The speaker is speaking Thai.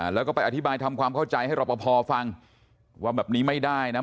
แล้วก็ไปอธิบายทำความเข้าใจให้รอปภฟังว่าแบบนี้ไม่ได้นะ